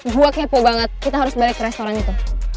gue kepo banget kita harus balik ke restoran itu